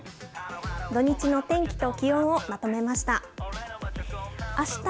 土日の天気と気温をまとめました。